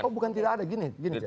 oh bukan tidak ada gini